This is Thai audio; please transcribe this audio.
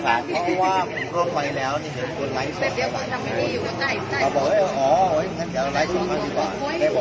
สวัสดีครับพี่เบนสวัสดีครับ